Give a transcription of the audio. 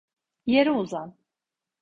Yere uzan.